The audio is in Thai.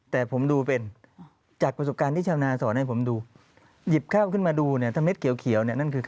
ตอนนั้นเลย